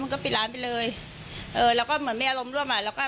คือต่างคนต่างเถียงแล้วก็มีอารมณ์มาเนาะ